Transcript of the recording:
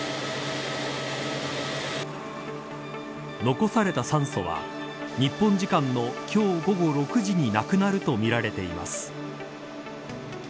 残された酸素は日本時間の今日午後６時になくなるとみられています。